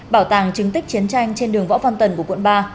bảo tàng chứng tích chiến tranh trên đường võ phan tần của quận ba